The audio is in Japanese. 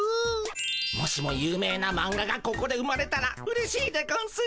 もしも有名なマンガがここで生まれたらうれしいでゴンス。